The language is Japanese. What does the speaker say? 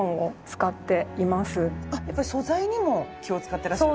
実はやっぱり素材にも気を使ってらっしゃる。